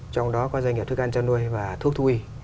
trong đó có doanh nghiệp thức ăn chăn nuôi và thuốc thú y